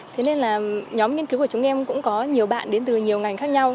thế nên là nhóm nghiên cứu của chúng em cũng có nhiều bạn đến từ nhiều ngành khác nhau